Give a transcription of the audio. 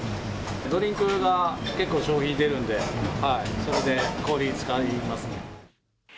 ドリンクが結構、商品出るんで、それで氷使いますね。